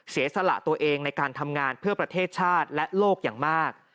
เสียสละตัวเองในการทำงานเพื่อประเทศชาติและโลกอย่างมาก